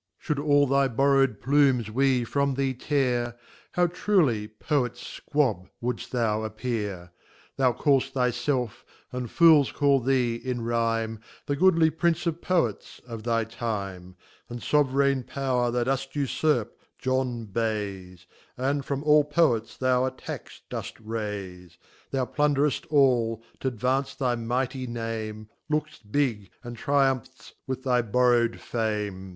L *^ Should all thy borrow'd plumes we from thee tear, How truly * Poet Squab would'ft thou appear ! Thou call'ft thy felf, and Fools call"thee, in Rime, The goodly Prince of Poets y o£ thy time ; And Sov'raign power thou doft tifurp, John Bay sr y And from alh Poets thou a Tax doft raife. Thou plunder ft all, t'advance thy mighty Name j Look 'ft big, and triunipfrft "with thy borrow'd fame